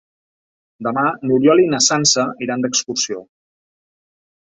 Demà n'Oriol i na Sança iran d'excursió.